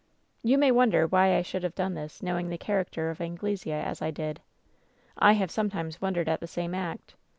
"You may wonder why I should have done this, know ing the character of Anglesea as I did. I have sometimes wondered at the same act.